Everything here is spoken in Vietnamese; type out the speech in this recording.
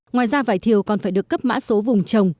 ngoài ra vải thiều còn phải được cấp mã số vùng trồng